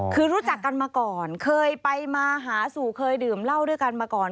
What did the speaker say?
คือรู้จักกันมาก่อนเคยไปมาหาสู่เคยดื่มเหล้าด้วยกันมาก่อน